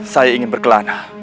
saya ingin berkelana